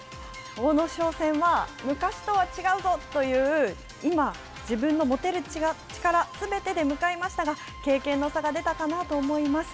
阿武咲戦は、昔とは違うぞという、今、自分の持てる力すべてで向かいましたが、経験の差が出たかなと思います。